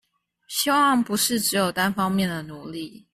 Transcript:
希望不是只有單方面的努力